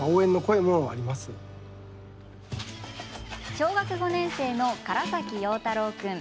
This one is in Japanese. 小学５年生の唐崎葉太郎君。